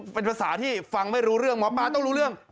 เป็นภาษาที่ฟังไม่รู้เรื่องหมอปลาต้องรู้เรื่อง